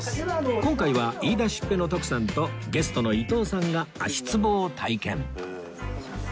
今回は言いだしっぺの徳さんとゲストの伊東さんが足ツボを体験